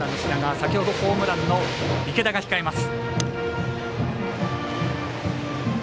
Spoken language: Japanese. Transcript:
先ほどホームランの池田が控えます。